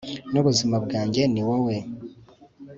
n'ubuzima bwanjye, ni wowe